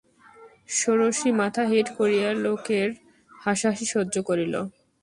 ষোড়শী মাথা হেঁট করিয়া লোকের হাসাহাসি সহ্য করিল।